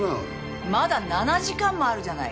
まだ７時間もあるじゃない。